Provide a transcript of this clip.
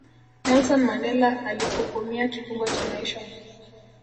nelson mandela alihukumia kifungo cha maisha